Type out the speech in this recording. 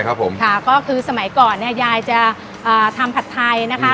ค่ะก็คือสมัยก่อนยายจะทำผัดไทยนะคะ